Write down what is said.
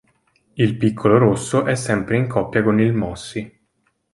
Il "piccolo rosso" è sempre in coppia con il Mossi.